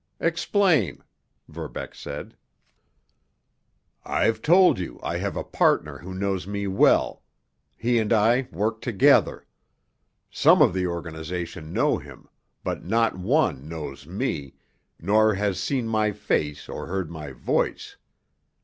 "Explain," Verbeck said. "I've told you I have a partner who knows me well—he and I work together. Some of the organization know him, but not one knows me, nor has seen my face or heard my voice.